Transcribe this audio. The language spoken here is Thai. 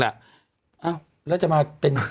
อ้าวแล้วจะมาเป็น